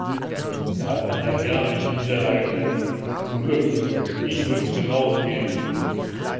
Er hat eine erbärmliche Niederlage erlitten, zum Glück, und Ihnen wird es genauso gehen.